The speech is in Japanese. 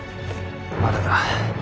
まだだ。